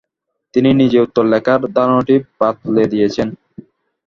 তিনি নিজেই উত্তর লেখার ধারণাটি বাতলে দিয়েছেন।